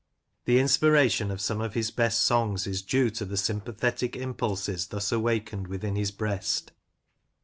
The inspiration of some of his best songs is due to the sympathetic impulses thus awakened within his breast.